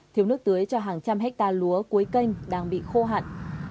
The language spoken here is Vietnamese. thiếu nước tưới cho hàng trăm hectare lúa cuối canh đang bị khô hạn